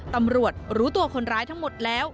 ตำรวจรู้ตัวคนร้ายทั้งหมดแล้ว